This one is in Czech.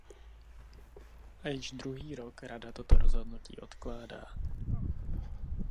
A již druhý rok Rada toto rozhodnutí odkládá.